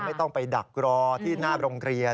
ไม่ต้องไปดักรอที่หน้าโรงเรียน